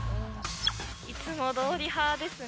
いつもどおり派ですね。